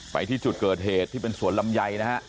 ไปที่จุดเกิดเหตุที่เป็นสวนลำไยนะฮะ